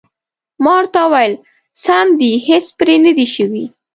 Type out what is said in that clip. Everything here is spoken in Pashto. ما ورته وویل: سم دي، هېڅ پرې نه دي شوي.